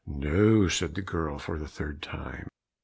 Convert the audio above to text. "No," said the girl for the third time.